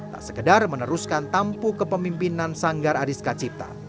tak sekedar meneruskan tampu kepemimpinan sanggar ariska cipta